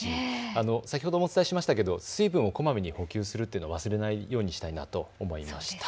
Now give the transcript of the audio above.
先ほどもお伝えしましたけど水分をこまめに補給するのを忘れないようにしたいなと思います。